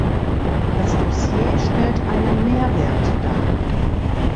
Das Dossier stellt einen Mehrwert dar.